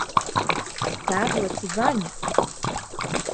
Tēvoci Vaņa!